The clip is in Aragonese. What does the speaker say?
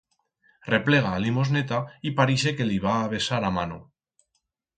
Replega a limosneta y parixe que li va a besar a mano.